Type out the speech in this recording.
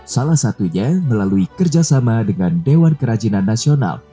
salah satunya melalui kerjasama dengan dewan kerajinan nasional